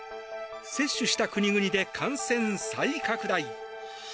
接種した国々で感染再拡大。